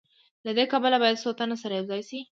له دې کبله باید څو تنه سره یوځای شي